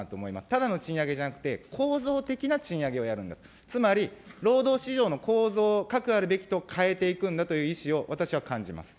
ただの賃上げじゃなくて、構造的な賃上げをやるんだと、つまり、労働市場の構造、かくあるべきと変えていくんだという意思を私は感じます。